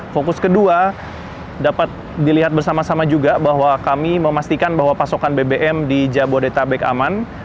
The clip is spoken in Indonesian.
fokus kedua dapat dilihat bersama sama juga bahwa kami memastikan bahwa pasokan bbm di jabodetabek aman